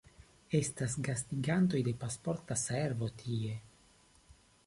Estas gastigantoj de Pasporta Servo tie.